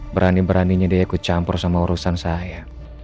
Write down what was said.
berani beraninya dia ikut campur sama urusan saya